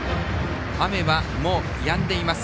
雨はもうやんでいます。